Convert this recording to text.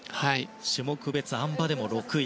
種目別、あん馬でも６位。